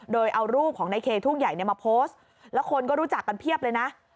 โดยเอารูปของในเคทุ่งใหญ่มาโพสต์แล้วคนก็รู้จักกันเพียบเลยนะ